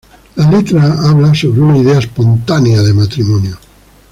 La letra habla sobre una idea espontánea de matrimonio.